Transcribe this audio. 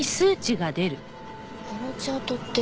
あのチャートって。